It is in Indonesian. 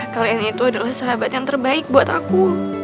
kalian itu adalah sahabat yang terbaik buat aku